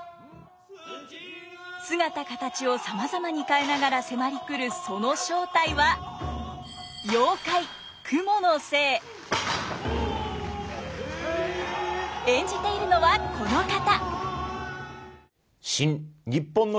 姿形をさまざまに変えながら迫りくるその正体は演じているのはこの方。